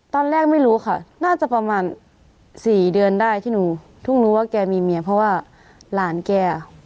ตอนแรกไม่รู้ค่ะน่าจะประมาณสี่เดือนได้ที่หนูเพิ่งรู้ว่าแกมีเมียเพราะว่าหลานแก